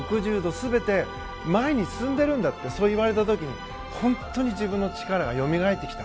全て前に進んでいるんだってそういわれた時に本当に自分の力がよみがえってきた。